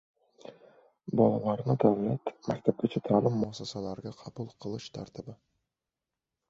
Bolalarni davlat maktabgacha ta’lim muassasalariga qabul qilish tartibi